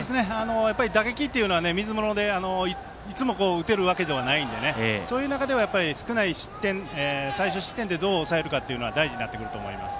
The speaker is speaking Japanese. やっぱり打撃というのはいつも打てるわけではないのでそういう中では最少失点でどう抑えるかというのは大事になってくると思います。